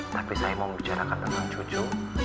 tapi saya mau membicarakan tentang cucu